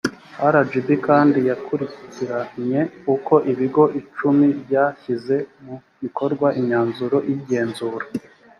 rgb kandi yakurikiranye uko ibigo icumi byashyize mu bikorwa imyanzuro y igenzura